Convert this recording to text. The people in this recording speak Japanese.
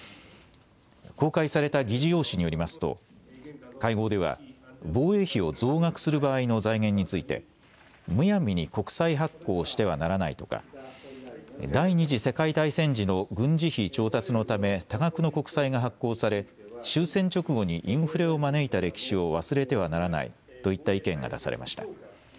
公開された議事要旨によりますと会合では防衛費を増額する場合の財源についてむやみに国債発行をしてはならないとか、第２次世界大戦時の軍事費調達のため多額の国債が発行され終戦直後にインフレを招いた歴史を忘れてはならないといった意見が出されました。